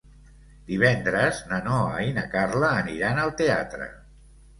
Divendres na Noa i na Carla aniran al teatre.